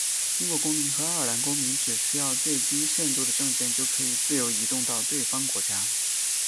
英国公民和爱尔兰公民只需要最低限度的证件就可以自由移动到对方国家。